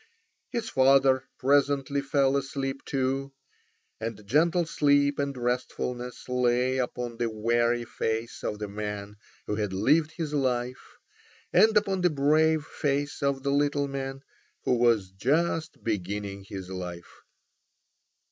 His father presently fell asleep also. And gentle sleep and restfulness lay upon the weary face of the man who had lived his life, and upon the brave face of the little man who was just beginning his life.